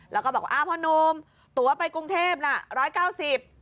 แล้วก็บอกอ่าพ่อนุ่มตัวไปกรุงเทพน่ะร้อยเก้าสิบ